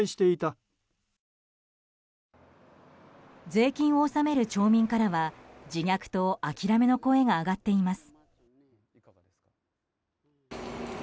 税金を納める町民からは自虐と諦めの声が上がっています。